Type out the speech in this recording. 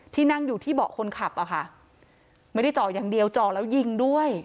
นั่งอยู่ที่เบาะคนขับอะค่ะไม่ได้จ่ออย่างเดียวจ่อแล้วยิงด้วย